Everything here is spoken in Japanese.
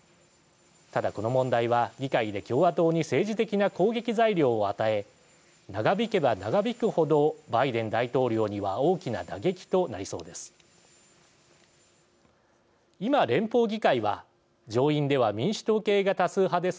ただ、この問題は議会で共和党に政治的な攻撃材料を与え長引けば長引く程バイデン大統領には大きな打撃となりそうです。